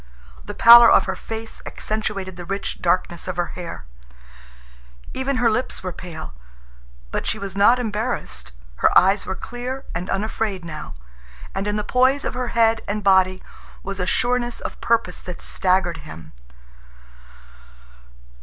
The pallor of her face accentuated the rich darkness of her hair. Even her lips were pale. But she was not embarrassed. Her eyes were clear and unafraid now, and in the poise of her head and body was a sureness of purpose that staggered him.